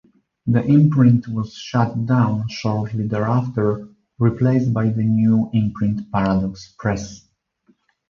The imprint was shut down shortly thereafter, replaced by the new imprint Paradox Press.